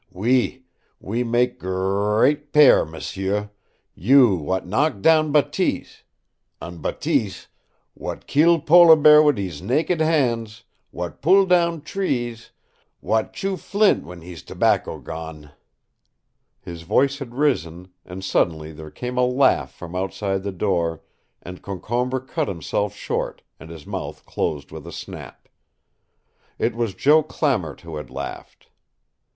OUI, we mak' gr r r eat pair, m'sieu you, w'at knock down Bateese an' Bateese, w'at keel polar bear wit hees naked hands, w'at pull down trees, w'at chew flint w'en hees tobacco gone." His voice had risen, and suddenly there came a laugh from outside the door, and Concombre cut himself short and his mouth closed with a snap. It was Joe Clamart who had laughed.